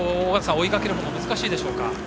追いかける方も難しいでしょうか。